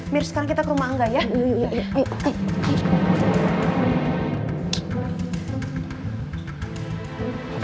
mir sekarang kita ke rumah angga ya